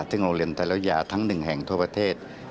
ซึ่งโรงเรียนไทยรัฐยาทั้ง๑แห่งทั่วประเทศ